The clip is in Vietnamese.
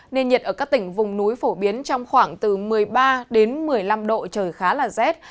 nên nhiệt ở các tỉnh vùng núi phổ biến trong khoảng từ một mươi ba đến một mươi năm độ trời khá là rét